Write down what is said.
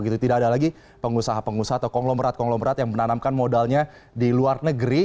tidak ada lagi pengusaha pengusaha atau konglomerat konglomerat yang menanamkan modalnya di luar negeri